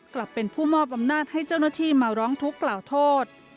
กลับเป็นผู้มอบอำนาจให้เจ้าหน้าที่มาร้องทุกข์กล่าวโทษ